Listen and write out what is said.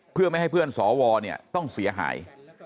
เพื่อไม่ให้เพื่อนสวต้องเสียหาย